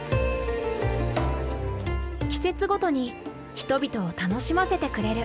季節ごとに人々を楽しませてくれる。